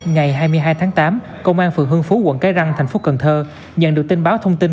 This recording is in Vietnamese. ngày hai mươi hai tháng tám công an phường hương phú quận cái răng thành phố cần thơ nhận được tin báo thông tin